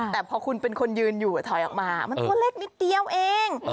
แต่พอคุณเป็นคนยืนอยู่ถอยออกมามันตัวเล็กนิดเดียวเอง